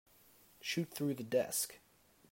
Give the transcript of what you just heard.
Shoot through the desk.